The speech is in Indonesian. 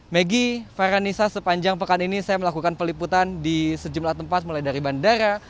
megi farhanisa sepanjang pekan ini saya melakukan peliputan di sejumlah tempat mulai dari bandara